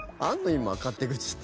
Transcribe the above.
今勝手口って。